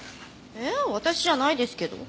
えっ私じゃないですけど。